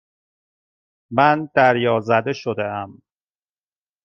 من دریازده شدهام.